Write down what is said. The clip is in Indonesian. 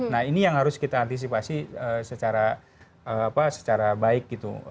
nah ini yang harus kita antisipasi secara baik gitu